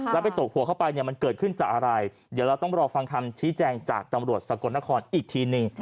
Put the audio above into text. แล้วไปตกหัวเข้าไปเนี่ยมันเกิดขึ้นจากอะไรเดี๋ยวเราต้องรอฟังคำชี้แจงจากตำรวจสกลนครอีกทีหนึ่ง